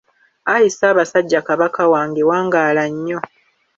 Ayi Ssaabasajja Kabaka wange wangaala nnyo.